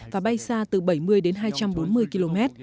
và bay xa từ bảy mươi đến hai trăm bốn mươi km